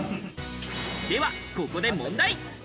では、ここで問題。